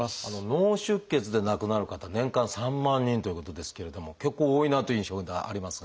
脳出血で亡くなる方年間３万人ということですけれども結構多いなという印象がありますが。